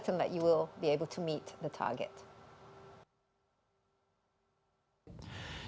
kami telah membuat lima belas juta dolar untuk menggabungkan kembang kapital ocean fund